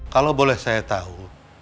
kalau boleh saya tahu